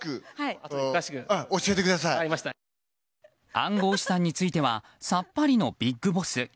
暗号資産についてはさっぱりのビッグボス。